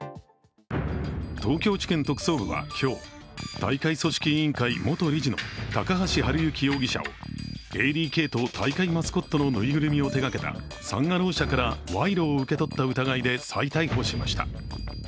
東京地検特捜部は今日、大会組織委員会元理事の高橋治之容疑者を、ＡＤＫと大会マスコットの縫いぐるみを手がけたサン・アロー社から賄賂を受け取った疑いで再逮捕しました。